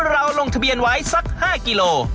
เราลงทะเบียนไว้สัก๕กิโลกรัม